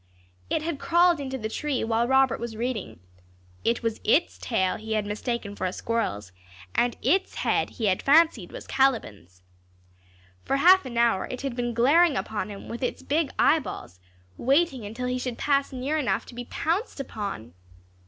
It had crawled into the tree while Robert was reading. It was its tail he had mistaken for a squirrel's, and its head he had fancied was Caliban's. For half an hour it had been glaring upon him with its big eyeballs, waiting until he should pass near enough to be pounced upon.